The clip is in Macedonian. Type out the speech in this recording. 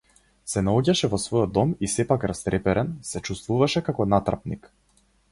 Се наоѓаше во својот дом и сепак, растреперен, се чувствуваше како натрапник.